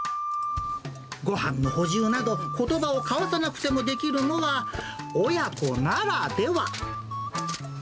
ごはんの補充など、ことばを交わさなくてもできるのは、親子ならでは。